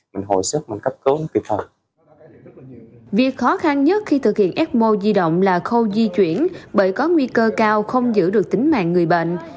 việc khó khăn nhất khi thực hiện ecmo di động là khâu di chuyển bởi có nguy cơ cao không giữ được tính mạng người bệnh